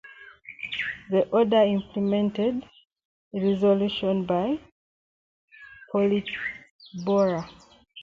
The order implemented a resolution by Politburo.